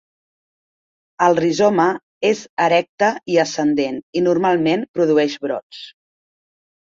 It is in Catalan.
El rizoma és erecte i ascendent i normalment produeix brots.